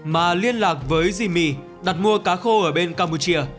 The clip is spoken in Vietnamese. mà liên lạc với jimi đặt mua cá khô ở bên campuchia